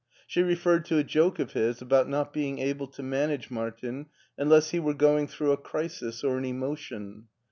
She referred to a joke of his about not being able to manage Martin unless he were going through a crisis or an emotion.